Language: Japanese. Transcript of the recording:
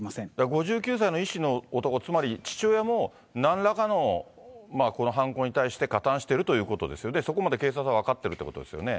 ５９歳の医師の男、つまり父親も、なんらかのこの犯行に対して加担してるということですよね、そこまで警察は分かっているということですよね。